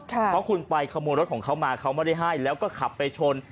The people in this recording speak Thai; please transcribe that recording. เพราะคุณไปขโมยรถของเขามาเขาไม่ได้ให้แล้วก็ขับไปชน